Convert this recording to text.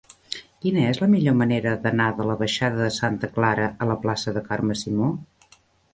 Quina és la millor manera d'anar de la baixada de Santa Clara a la plaça de Carme Simó?